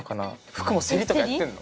服もセリとかやってるの？